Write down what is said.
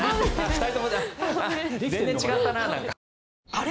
あれ？